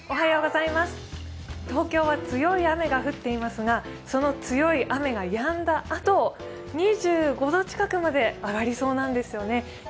東京は強い雨が降っていますが、その強い雨がやんだあと２５度近くまで上がりそうなんですよね。